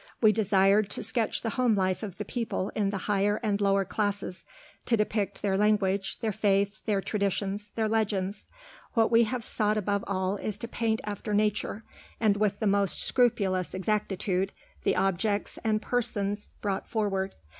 We desired to sketch the home life of the people in the higher and lower classes, to depict their language, their faith, their traditions, their legends. What we have sought above all is to paint after nature, and with the most scrupulous exactitude, the objects and persons brought forward.